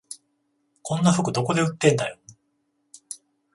こんな服どこで売ってんだよ